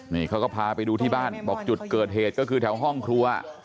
นี่เขาก็พาไปดูที่บ้านบอกจุดเกิดเหตุก็คือแถวห้องครัว